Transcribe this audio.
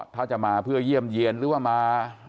ถ้าจะมาเพื่อเยี่ยมเยี่ยนหรือว่ามา